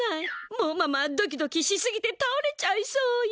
もうママドキドキしすぎてたおれちゃいそうよ。